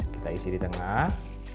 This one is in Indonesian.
kita isi di tengah